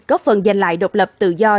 có phần giành lại độc lập tự nhiên